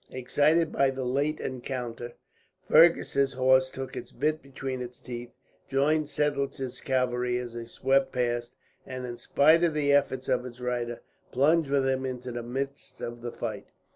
Excited by the late encounter, Fergus's horse took its bit between its teeth, joined Seidlitz's cavalry as they swept past and, in spite of the efforts of its rider, plunged with him into the midst of the fight.